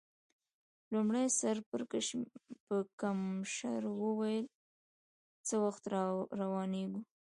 لومړي سر پړکمشر وویل: څه وخت روانېږو؟